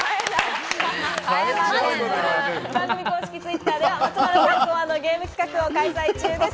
番組公式Ｔｗｉｔｔｅｒでは松丸さん考案のゲーム企画を開催中です。